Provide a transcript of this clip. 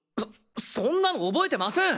そそんなの覚えてません！